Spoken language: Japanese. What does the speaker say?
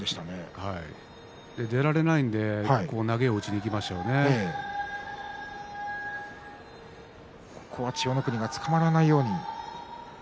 出られないので千代の国がつかまらないように。